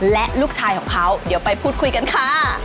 และลูกชายของเขาเดี๋ยวไปพูดคุยกันค่ะ